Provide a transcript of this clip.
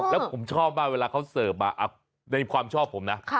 แล้วผมชอบมากเวลาเขาเสิร์ฟมาในความชอบผมนะ